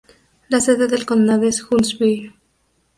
La sede del condado es Huntsville.